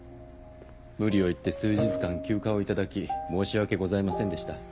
無理を言って数日間休暇を頂き申し訳ございませんでした。